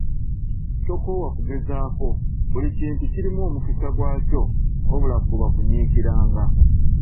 Tokoowa kugezaako, buli kintu kirimu omukisa gwakyo wabula fuba kunyiikiranga.